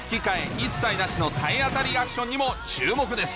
一切なしの体当たりアクションにも注目です